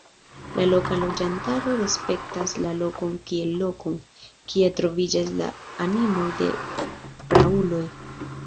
La loka loĝantaro respektas la lokon kiel lokon, kie troviĝas la animoj de prauloj.